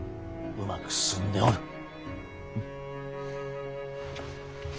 うまく進んでおる。